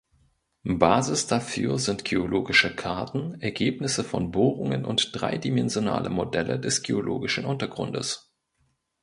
Basis dafür sind geologische Karten, Ergebnisse von Bohrungen und dreidimensionale Modelle des geologischen Untergrundes.